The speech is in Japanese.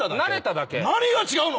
何が違うの！？